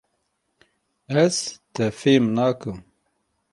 Ez, te fêm nakim.